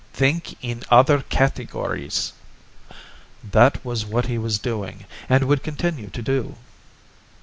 "Think in other categories." That was what he was doing, and would continue to do.